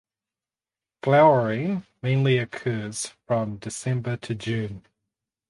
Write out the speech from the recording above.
Flowering mainly occurs from December to June.